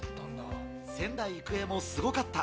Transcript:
仙台育英もすごかった。